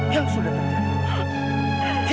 yang sudah terjadi